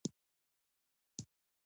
لعل د افغانستان د طبیعت د ښکلا برخه ده.